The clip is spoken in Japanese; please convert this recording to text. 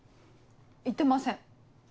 言ってません。